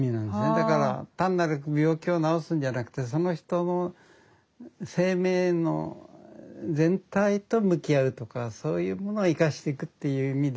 だから単なる病気を治すんじゃなくてその人の生命の全体と向き合うとかそういうものを生かしてくっていう意味で。